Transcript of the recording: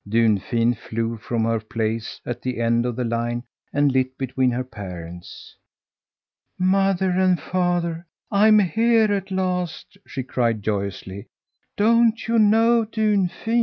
Dunfin flew from her place at the end of the line and lit between her parents. "Mother and father, I'm here at last!" she cried joyously. "Don't you know Dunfin?"